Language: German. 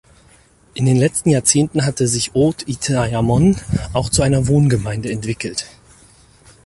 In den letzten Jahrzehnten hat sich Haut-Intyamon auch zu einer Wohngemeinde entwickelt.